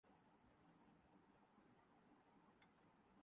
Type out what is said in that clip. باربار program trading کے نقّاد جواخانہ موضوع چھیڑتے ہیں